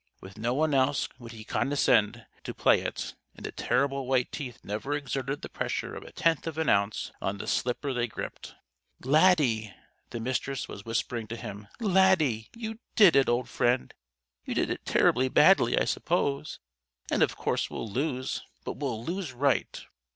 With no one else would he condescend to play it, and the terrible white teeth never exerted the pressure of a tenth of an ounce on the slipper they gripped. "Laddie!" the Mistress was whispering to him, "Laddie! You did it, old friend. You did it terribly badly I suppose, and of course we'll lose. But we'll 'lose right.'